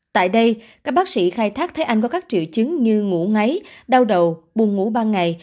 tại đây các bác sĩ khai thác thấy anh có các triệu chứng như ngủ ngáy đau đầu buồn ngủ ban ngày